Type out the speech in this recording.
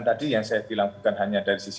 tadi yang saya bilang bukan hanya dari sisi